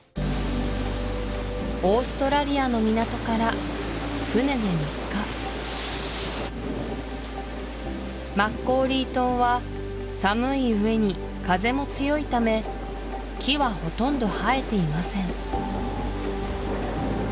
オーストラリアの港から船で３日マッコーリー島は寒いうえに風も強いため木はほとんど生えていません